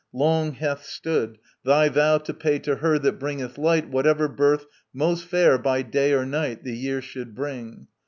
Long hath stood Thy vow, to pay to Her that bringeth light Whatever birth most fair by day or night The year should bring.